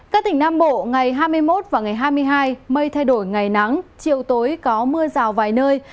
các tỉnh nam bộ ngày hai mươi một và ngày hai mươi hai mây thay đổi ngày nắng chiều tối có mưa rào vài nơi